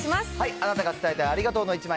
あなたが伝えたいありがとうの１枚。